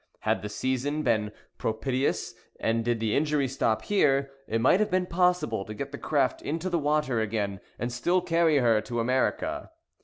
Had the season been propitious, and did the injury stop here, it might have been possible to get the craft into the water again, and still carry her to America.